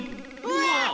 うわ！